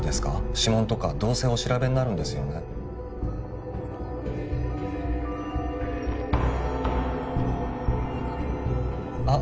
指紋とかどうせお調べになるんですよねあっ